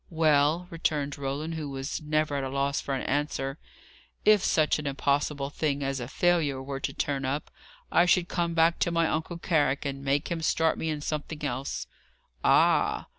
"Well," returned Roland, who was never at a loss for an answer: "if such an impossible thing as a failure were to turn up, I should come back to my Uncle Carrick, and make him start me in something else." "Ah!"